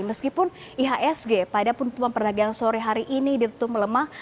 meskipun ihsg pada penutupan perdagangan sore hari ini ditutup melemah